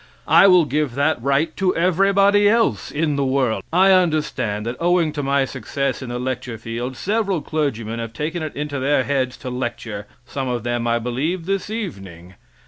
I will give that right to everybody else in the world. I understand that owing to my success in the lecture field several clergymen have taken it into their heads to lecture some of them, I believe, this evening.